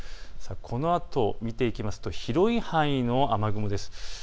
このあと見ていきますと広い範囲で雨雲です。